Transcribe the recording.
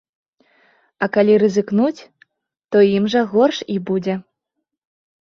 А калі рызыкнуць, то ім жа горш і будзе.